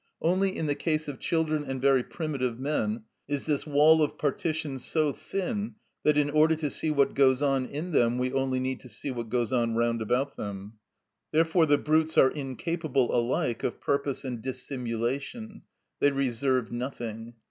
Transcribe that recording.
Only in the case of children and very primitive men is this wall of partition so thin that in order to see what goes on in them we only need to see what goes on round about them. Therefore the brutes are incapable alike of purpose and dissimulation; they reserve nothing.